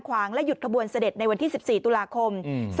ขวางและหยุดขบวนเสด็จในวันที่๑๔ตุลาคม๒๕๖